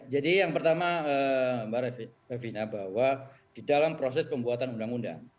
jadi yang pertama mbak revinah bahwa di dalam proses pembuatan undang undang